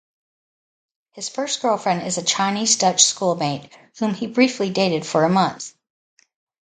His first girlfriend is a Chinese-Dutch schoolmate whom he briefly dated for a month.